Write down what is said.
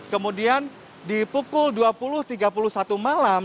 kemudian di pukul dua puluh tiga puluh satu malam